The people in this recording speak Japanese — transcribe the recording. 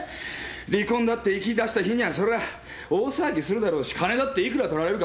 離婚だって言いだした日にゃそりゃ大騒ぎするだろうし金だっていくら取られるか分かんない。